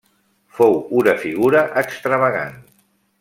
Fou una figura extravagant.